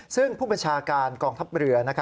ซึ่งผู้บัญชาการกองทัพเรือ